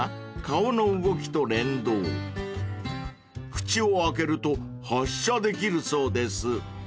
［口を開けると発射できるそうです］